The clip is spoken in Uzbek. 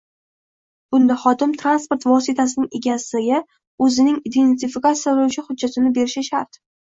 Bunda xodim transport vositasining egasiga o‘zining identifikatsiyalovchi hujjatini berishi shart